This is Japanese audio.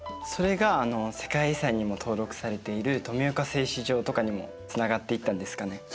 それがあの世界遺産にも登録されている富岡製糸場とかにもつながっていったんですかね。